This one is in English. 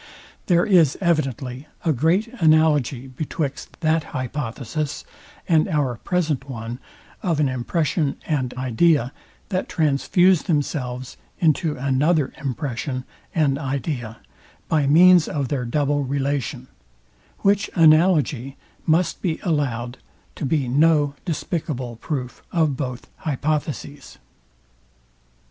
There is evidently a great analogy betwixt that hypothesis and our present one of an impression and idea, that transfuse themselves into another impression and idea by means of their double relation: Which analogy must be allowed to be no despicable proof of both hypotheses.